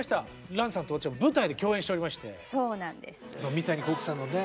三谷幸喜さんのね。